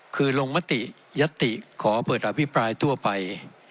คือลงมติยัตติขอเปิดอภิปรายทั่วไป